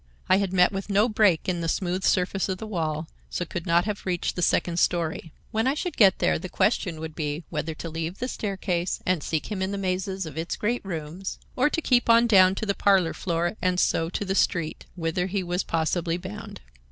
I had met with no break in the smooth surface of the wall, so could not have reached the second story. When I should get there the question would be whether to leave the staircase and seek him in the mazes of its great rooms, or to keep on down to the parlor floor and so to the street, whither he was possibly bound.